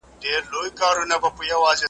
بازارونه مالامال دي له رنګونو .